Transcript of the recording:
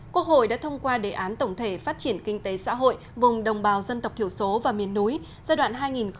quốc hội đã thông qua đề án tổng thể phát triển kinh tế xã hội vùng đồng bào dân tộc thiểu số và miền núi giai đoạn hai nghìn hai mươi một hai nghìn ba mươi